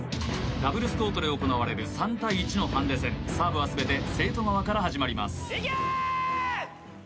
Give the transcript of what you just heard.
ダブルスコートで行われる３対１のハンデ戦サーブは全て生徒側から始まります・いけ！